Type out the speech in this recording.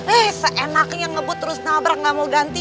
eh seenaknya ngebut terus nabrak gak mau ganti